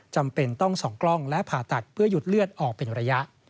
จำเป็นต้องส่องกล้องและผ่าตัดเพื่อหยุดเลือดออกเป็นระยะ